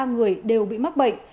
ba người đều bị mắc bệnh